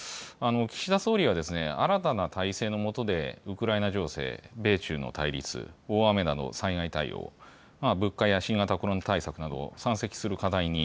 岸田総理は、新たな体制の下で、ウクライナ情勢、米中の対立、大雨などの災害対応、物価や新型コロナ対策など、山積する課題に